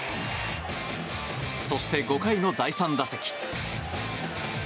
そして、５回の第３打席。